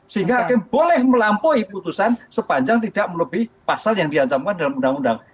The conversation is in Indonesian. sehingga hakim boleh melampaui putusan sepanjang tidak melebihi pasal yang diancamkan dalam undang undang